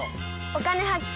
「お金発見」。